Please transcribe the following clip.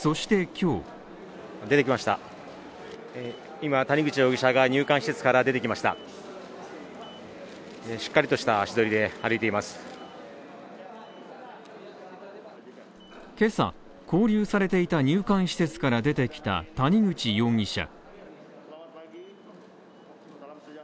今朝、勾留されていた入管施設から出てきた谷口容疑者。